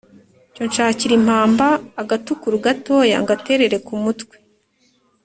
Cyo nshakira impammba Agatukuru gatoya Ngaterere ku mutwe